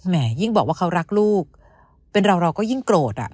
แหมยิ่งบอกว่าเขารักลูกเป็นเราก็ยิ่งโกรธ